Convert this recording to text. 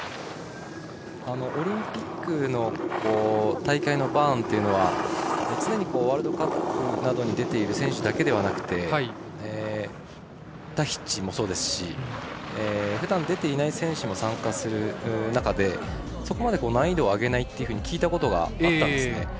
オリンピックの大会のバーンというのは常にワールドカップなどに出ている選手だけではなくてタヒチもそうですしふだん出ていない選手も参加する中でそこまで難易度を上げないと聞いたことがあったんですね。